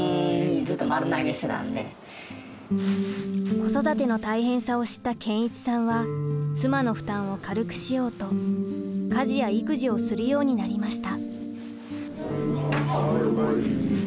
子育ての大変さを知った健一さんは妻の負担を軽くしようと家事や育児をするようになりました。